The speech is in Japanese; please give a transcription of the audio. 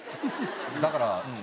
だから。